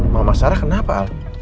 mama sarah kenapa al